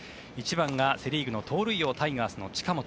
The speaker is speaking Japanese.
１番がセ・リーグの盗塁王タイガースの近本。